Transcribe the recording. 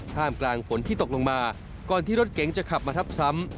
ท่ามกลางฝนที่ตกลงมาก่อนที่รถเก๋งจะขับมาทับซ้ำ